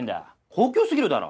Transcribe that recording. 高級すぎるだろ！